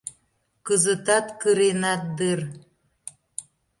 Кызытат кыренат дыр?